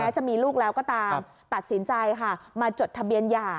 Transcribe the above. จะมีลูกแล้วก็ตามตัดสินใจค่ะมาจดทะเบียนหย่า